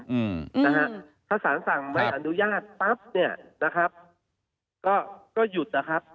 อืมนะฮะถ้าสารสั่งไม่อนุญาตปั๊บเนี่ยนะครับก็ก็หยุดนะครับ